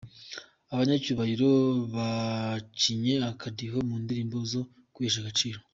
Abanyacyubahiro bacinye akadiho mu ndirimbo zo kwihesha agaciro.